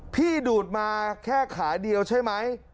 ดูดมาแค่ขาเดียวใช่ไหม